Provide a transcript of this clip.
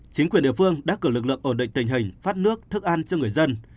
chính quyền địa phương đã cử lực lượng ổn định tình hình phát nước thức ăn cho người dân